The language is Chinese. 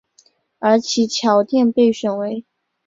而其桥殿被选为。